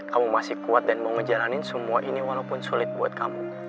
kamu masih kuat dan mau ngejalanin semua ini walaupun sulit buat kamu